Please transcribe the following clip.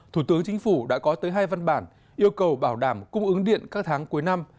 thủ tướng chính phủ đã có tới hai văn bản yêu cầu bảo đảm cung ứng điện các tháng cuối năm